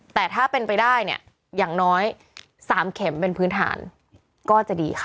แต่ถ้าเป็นไปได้เนี่ยอย่างน้อย๓เข็มเป็นพื้นฐานก็จะดีค่ะ